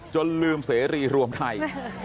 ลืมเสรีรวมไทย